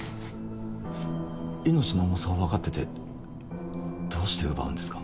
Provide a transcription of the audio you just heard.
命の重さを分かっててどうして奪うんですか？